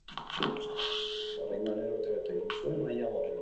Oraingoan ere urtebete egin zuen maila gorenean.